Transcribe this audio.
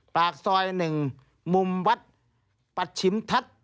ปากซอย๑มุมวัดปัชชิมทัศน์